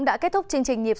biến chiếc herei hiệu